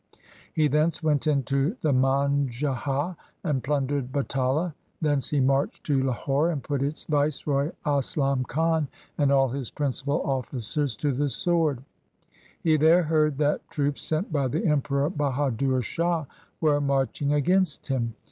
1 He thence went into the Manjha and plundered Batala. Thence he marched to Lahore and put its viceroy Aslam Khan and all his principal officers to the sword. He there heard that troops sent by the Emperor Bahadur Shah were marching against him.